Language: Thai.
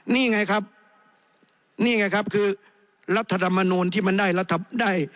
นี่ไงครับนี่ไงครับคือรัฐธรรมนูลที่มันได้รัฐได้